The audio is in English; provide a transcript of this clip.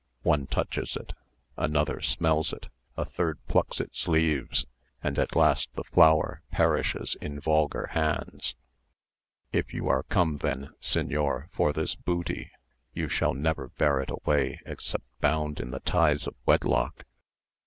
One touches it, another smells it, a third plucks its leaves, and at last the flower perishes in vulgar hands. If you are come then, señor, for this booty, you shall never bear it away except bound in the ties of wedlock.